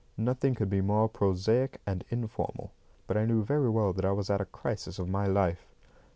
Nothing could be more prosaic and informal; but I knew very well that I was at a crisis of my life.